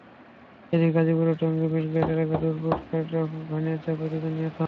এদিকে গাজীপুরের টঙ্গী মিলগেট এলাকায় দুপুরে কাভার্ড ভ্যানের চাপায় দুজন নিহত হন।